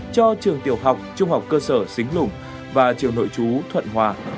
cho trường tiểu học trung học cơ sở xính lùng và trường nội chú thuận hòa